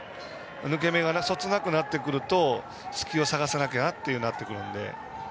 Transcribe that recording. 抜け目がなくそつなくなってくると隙を探さないと、となるので。